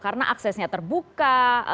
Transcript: karena aksesnya terbuka